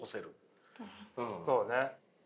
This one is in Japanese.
そうね。